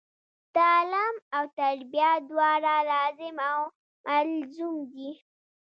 تعلم او تربیه دواړه لاظم او ملظوم دي.